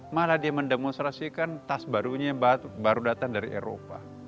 malah dia mendemonstrasikan tas barunya baru datang dari eropa